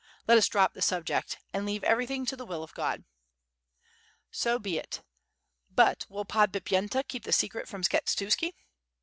Let us drop the subject, and leave every thing to the will of God." "So be it. But will Podbipyenta keep the secret from Skshetuski?"